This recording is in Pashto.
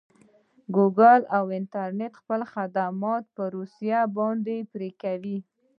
ګوګل او انټرنټ خپل خدمات په روسې باندې پري کوي.